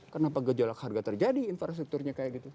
kenapa gejolak harga terjadi infrastrukturnya kayak gitu